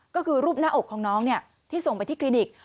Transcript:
ก็คือรูปหน้าอกของน้องที่ส่งไปที่คลินิก